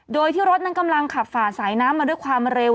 โดยที่รถนั้นกำลังขับฝ่าสายน้ำมาด้วยความเร็ว